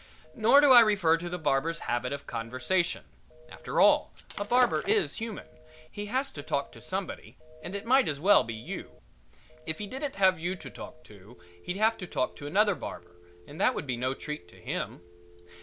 Nor do I refer to the barber's habit of conversation. After all, a barber is human he has to talk to somebody, and it might as well be you. If he didn't have you to talk to he'd have to talk to another barber, and that would be no treat to him.